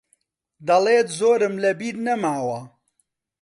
دەڵێت زۆرم لەبیر نەماوە.